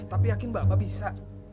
tapi yakin bapak bisa